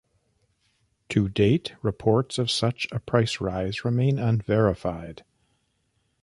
To date, reports of such a price rise remain unverified.